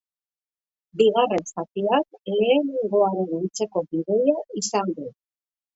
Bigarren zatiak lehenengoaren antzeko gidoia izan du.